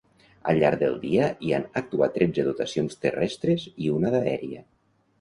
Al llarg del dia hi han actuat tretze dotacions terrestres i una d’aèria.